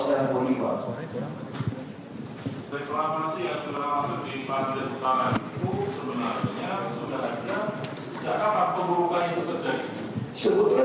reklamasi yang sudah masuk keimpanan dan utamanya itu sebenarnya